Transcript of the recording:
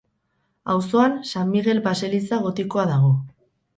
Auzoan, San Migel baseliza gotikoa dago.